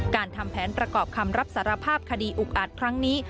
การทำแผนประกอบคำรับสารภาพคดีอุกอัดครั้งนี้